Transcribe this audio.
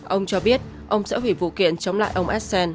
ông cho biết ông sẽ hủy vụ kiện chống lại ông assen